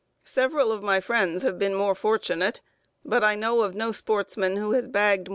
"Several of my friends have been more fortunate, but I know of no sportsman who has bagged more than one.